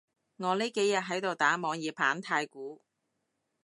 我呢幾日喺度打網頁版太鼓